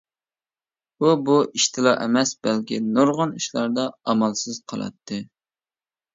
ئۇ بۇ ئىشتىلا ئەمەس، بەلكى نۇرغۇن ئىشلاردا ئامالسىز قالاتتى.